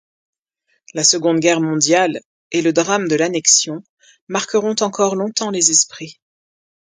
La Seconde Guerre mondiale et le drame de l'Annexion marqueront encore longtemps les esprits.